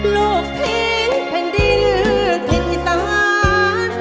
ลูกทิ้งแผ่นดินทิ้งตะวัน